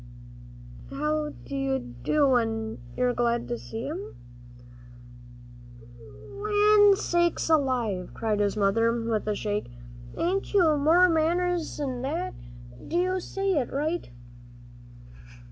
"How do you do, an' you're glad to see 'em " "Land sakes alive!" cried his mother, with a shake; "hain't you no more manners'n that? Do say it right."